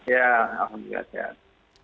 ya alhamdulillah sehat